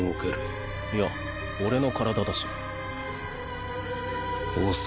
いや俺の体だし。